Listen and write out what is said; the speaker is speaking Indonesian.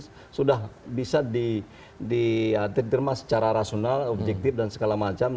sudah bisa diterima secara rasional objektif dan segala macam